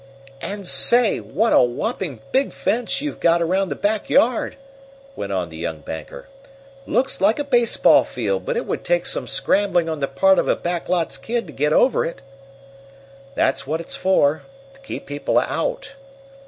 "And say, what a whopping big fence you've got around the back yard!" went on the young banker. "Looks like a baseball field, but it would take some scrambling on the part of a back lots kid to get over it." "That's what it's for to keep people out."